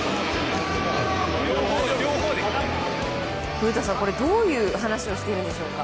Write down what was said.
古田さん、どういう話をしているんでしょうか？